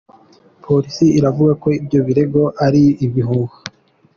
Polisi iravuga ko ibyo birego ari ibihuha.